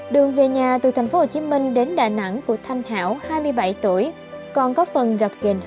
đường về nhà từ tp hcm đến đà nẵng